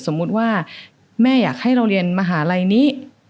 สมมุติว่าแม่อยากให้เราเรียนมหาลัยนี้